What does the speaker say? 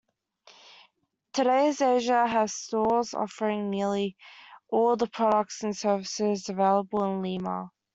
Today's Asia has stores offering nearly all the products and services available in Lima.